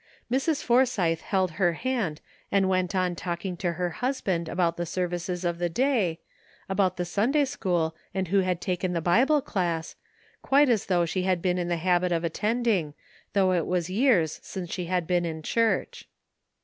Mrs. For sythe held her hand and went on talking to her husband about the services of the day, about the Sunday school and who had taken the Bible class, quite as though she had been in the habit of attending, though it was years since she had been in church.